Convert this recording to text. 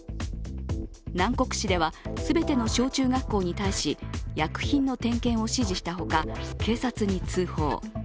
南国市では全ての小中学校に対し薬品の点検を指示したほか、警察に通報。